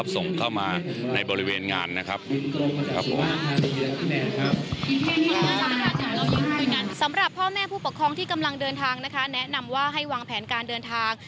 สำหรับพ่อแม่ผู้ปกครองที่กำลังเดินทางนะคะแนะนำว่าให้วางแผนการเดินทาง